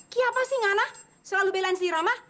kiapa sih ngana selalu belain si rama